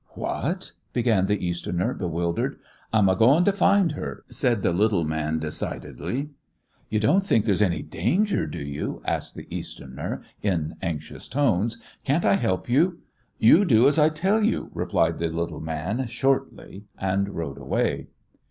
_" "What?" began the Easterner, bewildered. "I'm a goin' to find her," said the little man, decidedly. "You don't think there's any danger, do you?" asked the Easterner, in anxious tones. "Can't I help you?" "You do as I tell you," replied the little man, shortly, and rode away.